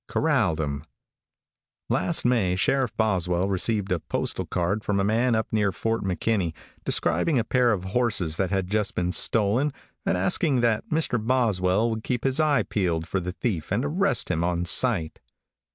CORRALED HIM. |LAST May Sheriff Boswell received a postal card from a man up near Fort McKinney, describing a pair of horses that had just been stolen and asking that Mr. Boswell would keep his eye peeled for the thief and arrest him on sight.